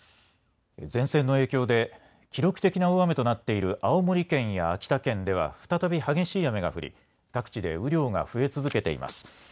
前線の影響で記録的な大雨となっている青森県や秋田県では再び激しい雨が降り各地で雨量が増え続けています。